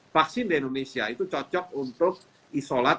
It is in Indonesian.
vaksin di indonesia itu cocok untuk isolat